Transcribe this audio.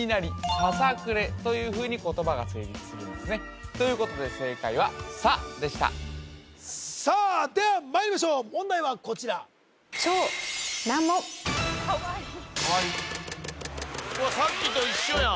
ささくれというふうに言葉が成立するんですねということで正解は「さ」でしたさあではまいりましょう問題はこちら・カワイイカワイイうわさっきと一緒やん